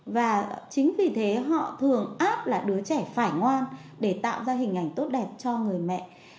và chính vì thế họ thường áp là đứa trẻ phải ngoan để tạo ra hình ảnh tốt đẹp cho người mẹ